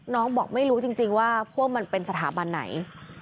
บอกไม่รู้จริงว่าพวกมันเป็นสถาบันไหน